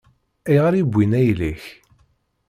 Ayɣer i wwin ayla-k?